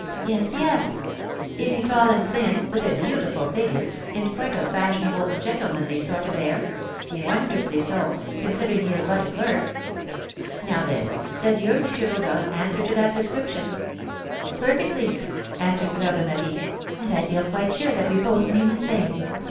"Yes, yes." "Is he tall and thin, with a beautiful figure, and quite a fashionable, gentlemanly sort of air, wonderfully so, considering he is but a clerk? Now, then, does your M. Rodolph answer to that description?" "Perfectly," answered Fleur de Marie; "and I feel quite sure that we both mean the same.